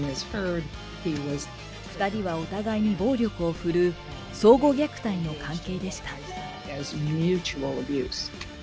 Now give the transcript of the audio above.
２人はお互いに暴力を振るう相互虐待の関係でした。